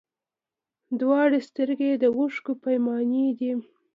دواړي سترګي یې د اوښکو پیمانې دي